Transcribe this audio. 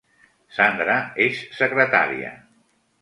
Sandra és secretària